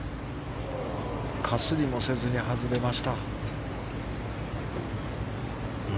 かすりもせずに外れました。